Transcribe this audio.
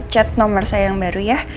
chat nomor saya yang baru ya